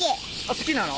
好きなの？